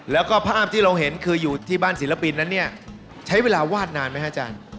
แล้วก็ภาพที่เราเห็นคืออยู่ที่บ้านศิลปินนั้นเนี่ยใช้เวลาวาดนานไหมฮะอาจารย์